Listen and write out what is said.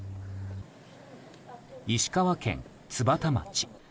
石川県津幡町。